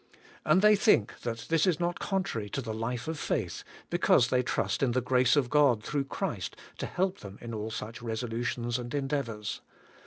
And they think that this is not contrary to the life of faith, because they trust in the grace of God through Christ to help them in all such resolutions and en deavours.